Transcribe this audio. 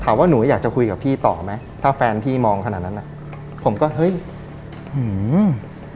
หนูอยากจะคุยกับพี่ต่อไหมถ้าแฟนพี่มองขนาดนั้นอ่ะผมก็เฮ้ยอืม